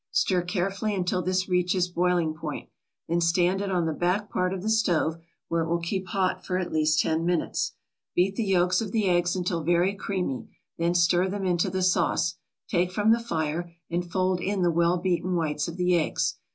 Stir carefully until this reaches boiling point, then stand it on the back part of the stove where it will keep hot for at least ten minutes. Beat the yolks of the eggs until very creamy, then stir them into the sauce, take from the fire, and fold in the well beaten whites of the eggs.